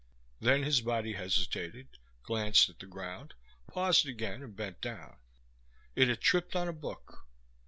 Then his body hesitated, glanced at the ground, paused again and bent down. It had tripped on a book.